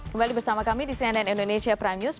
kembali bersama kami di cnn indonesia prime news